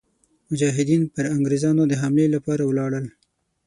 مجاهدین پر انګرېزانو د حملې لپاره ولاړل.